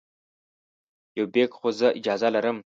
یو بیک خو زه اجازه لرم.